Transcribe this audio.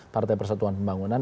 partai persatuan pembangunan